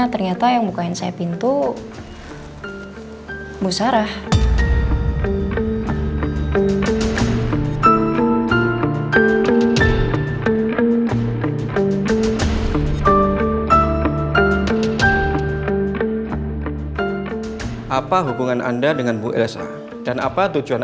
ternyata yang bukain saya pintu bu sarah apa hubungan anda dengan bu elsa dan apa tujuan